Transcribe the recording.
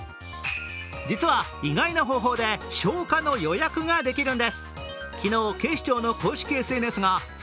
実は、意外な方法で消火の予約ができるんです。